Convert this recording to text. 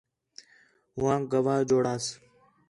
ہوآنک گواہ جوڑاس